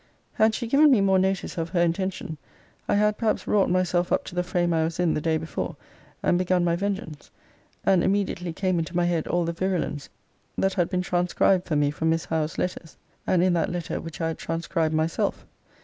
Had she given me more notice of her intention, I had perhaps wrought myself up to the frame I was in the day before, and begun my vengeance. And immediately came into my head all the virulence that had been transcribed for me from Miss Howe's letters, and in that letter which I had transcribed myself.